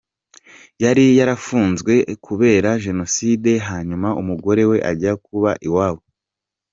Yari yarafunzwe kubera jenoside, hanyuma umugore we ajya kuba iwabo.